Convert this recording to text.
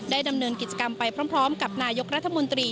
ดำเนินกิจกรรมไปพร้อมกับนายกรัฐมนตรี